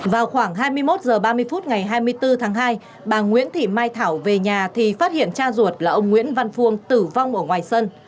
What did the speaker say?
vào khoảng hai mươi một h ba mươi phút ngày hai mươi bốn tháng hai bà nguyễn thị mai thảo về nhà thì phát hiện cha ruột là ông nguyễn văn phương tử vong ở ngoài sân